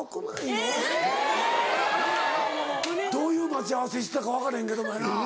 ・どういう待ち合わせしてたか分からへんけどもやな。